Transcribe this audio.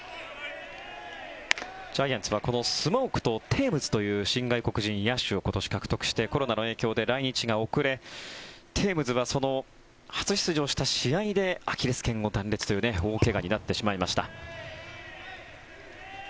ジャイアンツはこのスモークとテームズという新外国人野手を今年、獲得してコロナの影響で来日が遅れテームズは初出場した試合でアキレス腱を断裂という大怪我になってしまいました。